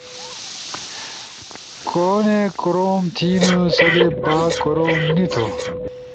کونے کروم تھینو سدے با کروم نی تُھو۔